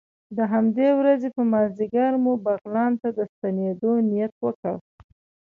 د همدې ورځې په مازدیګر مو بغلان ته د ستنېدو نیت وکړ.